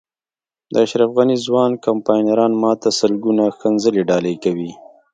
د اشرف غني ځوان کمپاینران ما ته سلګونه ښکنځلې ډالۍ کوي.